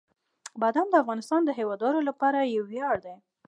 بادام د افغانستان د هیوادوالو لپاره یو ویاړ دی.